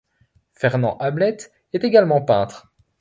Fernand Hamelet est également peintre.